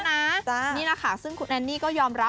อ่าโตไปหมดแล้วนะจ้ะ